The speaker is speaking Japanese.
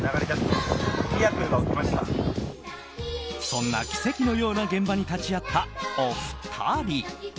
そんな奇跡のような現場に立ち会ったお二人。